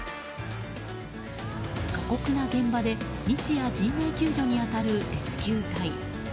過酷な現場で日夜人命救助に当たるレスキュー隊。